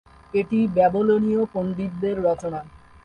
এটি ব্যাবিলনীয় পণ্ডিতদের রচনা।